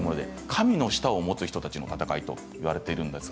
神の舌を持つ人たちの戦いと言われています。